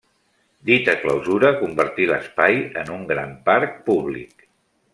Dita clausura convertí l'espai en un gran parc públic.